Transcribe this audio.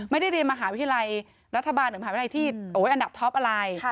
ไม่ได้เรียนมหาวิทยาลัยรัฐบาลหรือมหาวิทยาลัยที่อันดับท็อปอะไร